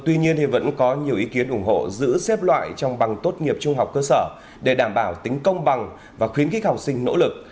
tuy nhiên vẫn có nhiều ý kiến ủng hộ giữ xếp loại trong bằng tốt nghiệp trung học cơ sở để đảm bảo tính công bằng và khuyến khích học sinh nỗ lực